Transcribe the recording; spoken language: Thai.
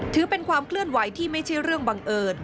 ถือเป็นความเคลื่อนไหวที่ไม่ใช่เรื่องบังเอิญ